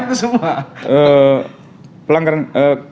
dibilang itu semua